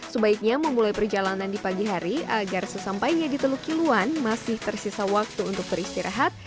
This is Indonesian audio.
sebaiknya memulai perjalanan di pagi hari agar sesampainya di teluk kiluan masih tersisa waktu untuk beristirahat